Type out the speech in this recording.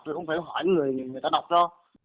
thì ông phải hỏi người người ta đọc cho